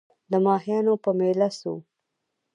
د ماهیانو په مېله سوو